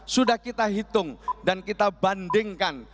sudah kita hitung dan kita bandingkan